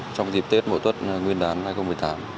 trong dịp tết mẫu tuất nguyên đán hai nghìn một mươi tám